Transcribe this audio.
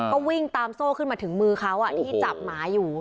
ก็วิ่งตามโซ่ขึ้นมาถึงมือเขา